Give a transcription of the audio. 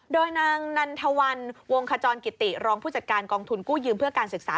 โดยนางนันทวันวงขจรกิติรองผู้จัดการกองทุนกู้ยืมเพื่อการศึกษา